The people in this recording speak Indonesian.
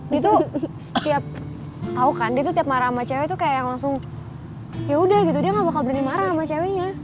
dia tuh setiap tau kan dia tuh tiap marah sama cewek tuh kayak langsung yaudah gitu dia gak bakal berani marah sama ceweknya